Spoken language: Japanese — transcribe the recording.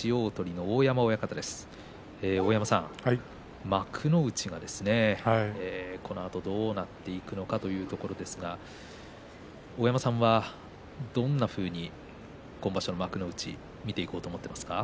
大山さん、幕内はこのあとどうなっていくのかというところですが大山さんは、どんなふうに今場所の幕内を見ていこうと思っていますか。